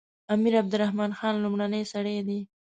امیر عبدالرحمن لومړنی سړی دی.